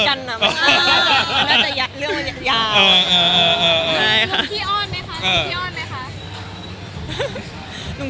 ก็จริง